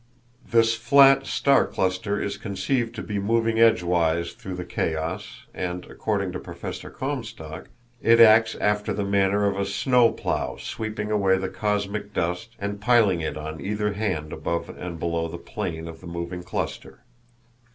This flat star cluster is conceived to be moving edgewise through the chaos, and, according to Professor Comstock, it acts after the manner of a snow plough sweeping away the cosmic dust and piling it on either hand above and below the plane of the moving cluster.